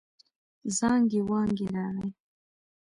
زانګې وانګې راغی.